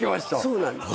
そうなんです。